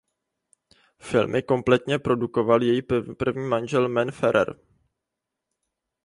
Film kompletně produkoval její první manžel Mel Ferrer.